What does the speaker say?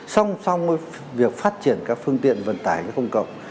xong xong việc phát triển các phương tiện vận tải công cộng